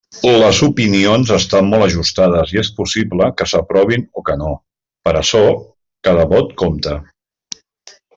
Les opinions estan molt ajustades i és possible que s'aprovin o que no, per açò, cada vot compta.